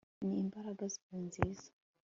ni imbaraga zawe nziza